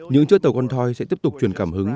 những chiếc tàu con thoi sẽ tiếp tục truyền cảm hứng